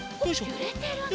ゆれてるね。